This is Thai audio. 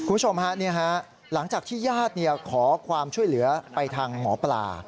คุณผู้ชมฮะหลังจากที่ญาติขอความช่วยเหลือไปทางหมอปลา